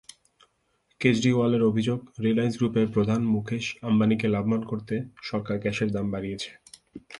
কেজরিওয়ালের অভিযোগ, রিলায়েন্স গ্রুপের প্রধান মুকেশ আম্বানিকে লাভবান করতে সরকার গ্যাসের দাম বাড়িয়েছে।